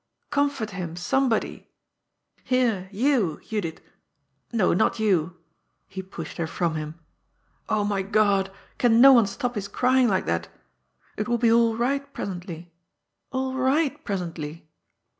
Comfort him, some body! Here, you, Judith! No, not you!" He pushed her from him. " my God ! can no one stop his crying like that? It will be all right presently — all right pres ently."